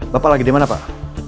bapak lagi dimana pak